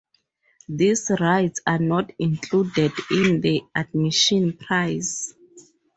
These rides are not included in the admission price.